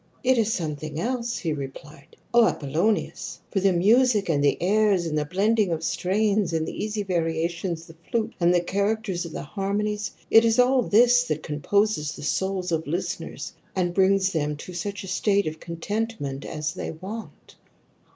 'It is something else," he replied, "O Apollonius; for the music and the airs and the blending of strains and the easy variations of the. flute and the characters of the harmonies, it is all this that composes the souls of listeners and brings them to such a state of content ment as they want."